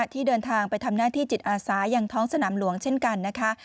ที่เดินทางไปทำหน้าที่จิตอาสายังท้องสนามหลวงเช่นกันนะคะ